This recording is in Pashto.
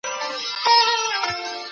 هغه نظام چي خلګ استثماروي ښه نه دی.